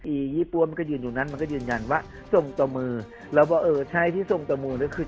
ยี่ปั้วมันก็ยืนอยู่นั้นมันก็ยืนยันว่าส่งต่อมือแล้วบอกเออใช่ที่ส่งต่อมือก็คือ